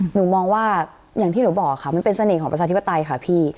หนูมองว่าอย่างที่หนูบอกค่ะมันเป็นเสน่ห์ของประชาธิปไตยค่ะพี่